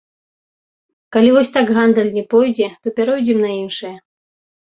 Калі вось так гандаль не пойдзе, то пяройдзем на іншае.